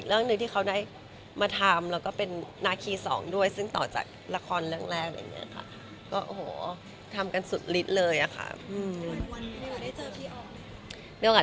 เรื่องนี้ก็เป็นอีกเรื่องที่